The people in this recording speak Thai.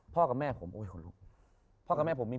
พ่อกับแม่ผม